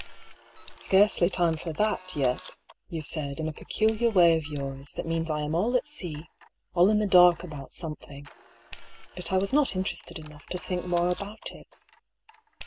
" Scarcely time for that, yet," you said, in a peculiar way of yours, that means I am all at sea — all in the dark about something. But I was not interested enough to think more about it.